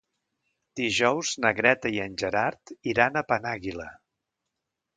Dijous na Greta i en Gerard iran a Penàguila.